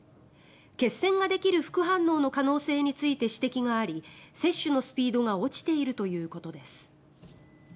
血栓ができる副反応の可能性について指摘があり接種のスピードが落ちているということです。